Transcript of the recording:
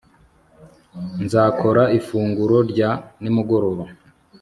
Nzakora ifunguro rya nimugoroba